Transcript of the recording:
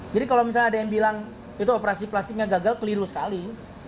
jadi kalau misalnya ada yang bilang itu operasi plastiknya gagal keliru sekali